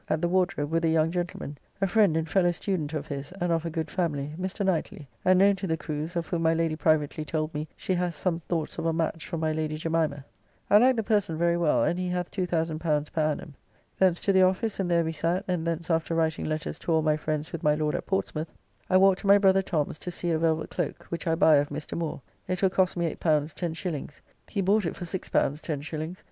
] at the Wardrobe with a young gentleman, a friend and fellow student of his, and of a good family, Mr. Knightly, and known to the Crews, of whom my Lady privately told me she hath some thoughts of a match for my Lady Jemimah. I like the person very well, and he hath L2000 per annum. Thence to the office, and there we sat, and thence after writing letters to all my friends with my Lord at Portsmouth, I walked to my brother Tom's to see a velvet cloak, which I buy of Mr. Moore. It will cost me L8 10s.; he bought it for L6 10s.